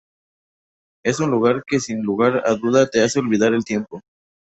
Es un lugar que sin lugar a duda te hace olvidar el tiempo.